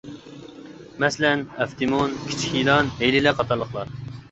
مەسىلەن، ئەپتىمۇن، كىچىك يىلان، ھېلىلە قاتارلىقلار.